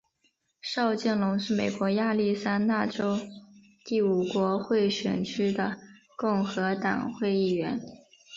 邵建隆是美国亚利桑那州第五国会选区的共和党众议员。